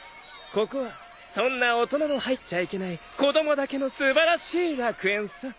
ここはそんな大人の入っちゃいけない子供だけの素晴らしい楽園さ。